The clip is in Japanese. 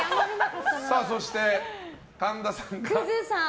そして、神田さんが。